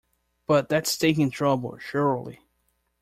But that's taking trouble, surely.